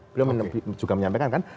beliau juga menyampaikan kan